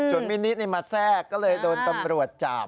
ส่วนมินิมาแทรกก็เลยโดนตำรวจจับ